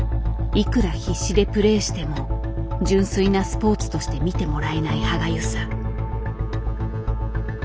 いくら必死でプレーしても純粋なスポーツとして見てもらえない歯がゆさ。